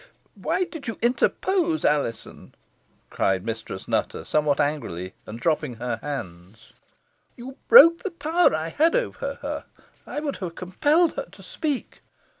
"Why did you interpose, Alizon," cried Mistress Nutter, somewhat angrily, and dropping her hands. "You broke the power I had over her. I would have compelled her to speak."